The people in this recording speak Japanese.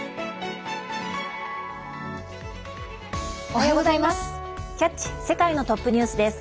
おはようございます。